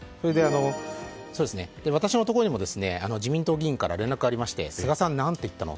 私のところにも自民党議員から連絡がありまして菅さん何て言ったの？